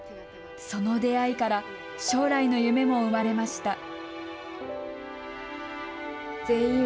その出会いから将来の夢も生まれました。